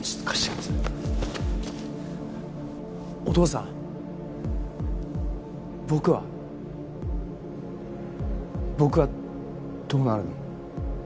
お父さん僕は僕はどうなるの？